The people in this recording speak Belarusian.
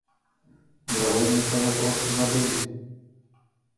Верагодна, пра яго проста забыліся.